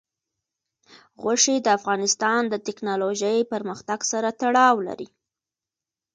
غوښې د افغانستان د تکنالوژۍ پرمختګ سره تړاو لري.